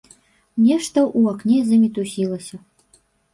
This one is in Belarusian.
Нешта ў акне замітусілася.